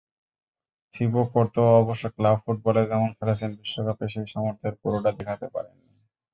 Thibaut Courtois অবশ্য club ফুটবলে যেমন খেলেছেন, বিশ্বকাপে সেই সামর্থ্যের পুরোটা দেখাতে পারেননি।